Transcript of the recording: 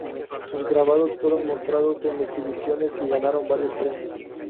Sus grabados fueron mostrados en exhibiciones y ganaron varios premios.